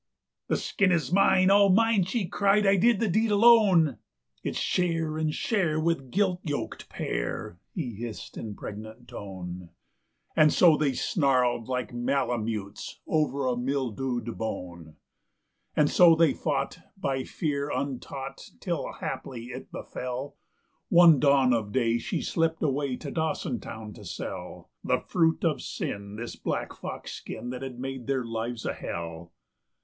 "The skin is mine, all mine," she cried; "I did the deed alone." "It's share and share with a guilt yoked pair", he hissed in a pregnant tone; And so they snarled like malamutes over a mildewed bone. And so they fought, by fear untaught, till haply it befell One dawn of day she slipped away to Dawson town to sell The fruit of sin, this black fox skin that had made their lives a hell.